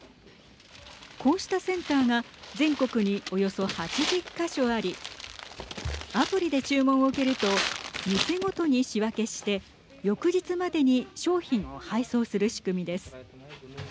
こうしたセンターが全国におよそ８０か所ありアプリで注文を受けると店ごとに仕分けして翌日までに商品を配送する仕組みです。